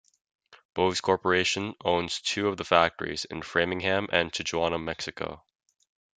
Bose Corporation owns two of the factories - in Framingham and Tijuana, Mexico.